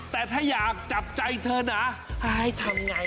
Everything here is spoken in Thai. แต่ถ้าอยากจับใจเธอนะให้ทำไง